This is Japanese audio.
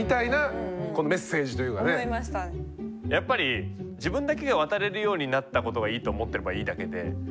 やっぱり自分だけが渡れるようになったことがいいと思っていればいいだけで。